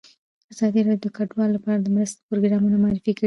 ازادي راډیو د کډوال لپاره د مرستو پروګرامونه معرفي کړي.